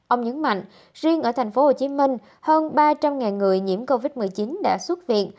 ông nhấn mạnh riêng ở tp hcm hơn ba trăm linh người nhiễm covid một mươi chín đã xuất viện